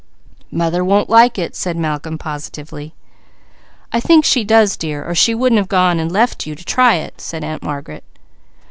"Mother won't like it," said Malcolm positively. "I think she does dear, or she wouldn't have gone and left you to try it," said Aunt Margaret.